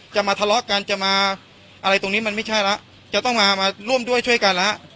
มาทะเลาะกันจะมาอะไรตรงนี้มันไม่ใช่แล้วจะต้องมามาร่วมด้วยช่วยกันแล้ว